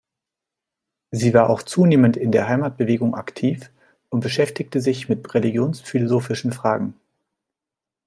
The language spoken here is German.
Sie war auch zunehmend in der Heimatbewegung aktiv und beschäftigte sich mit religionsphilosophischen Fragen.